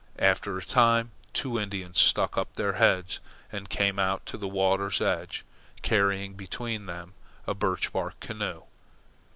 After a time two Indians stuck up their heads and came out to the water's edge, carrying between them a birch bark canoe.